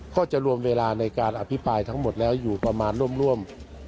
ก็จะรวมเวลาในการอภิปรายทั้งหมดแล้วอยู่ประมาณร่วม